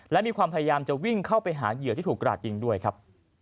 และมีความพยายามจะวิ่งเข้าไปหาเหยื่อที่ถูกกราดยิงด้วยครับ